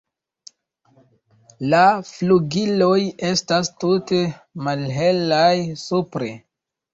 La flugiloj estas tute malhelaj supre.